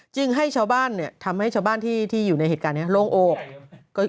จึงทำให้ชาวบ้านที่อยู่ในเหตุการณ์นี้โลงโอนะ